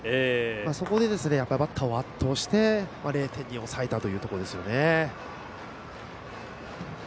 そこでバッターを圧倒して０点に抑えたというところですね。